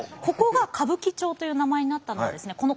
ここが歌舞伎町という名前になったのはですね